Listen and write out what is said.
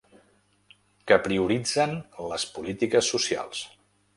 Que prioritzen les polítiques socials.